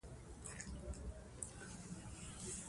ځوانان د مېلو له پاره ځانګړې تیاری نیسي.